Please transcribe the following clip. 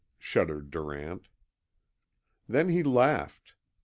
shuddered Durant. Then he laughed.